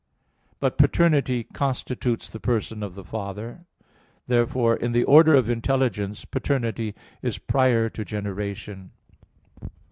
But paternity constitutes the person of the Father. Therefore in the order of intelligence, paternity is prior to generation.